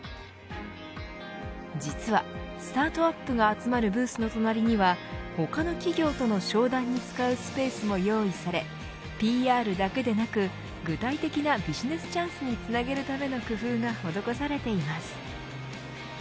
実はスタートアップが集まるブースの隣には他の企業との商談に使うスペースも用意されＰＲだけでなく具体的なビジネスチャンスにつなげるための工夫が施されています。